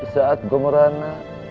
saat gua merana